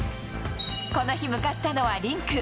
この日向かったのはリンク。